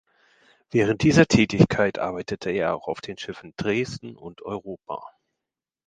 Während dieser Tätigkeit arbeitete er auch auf den Schiffen "Dresden" und "Europa".